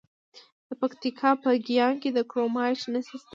د پکتیکا په ګیان کې د کرومایټ نښې شته.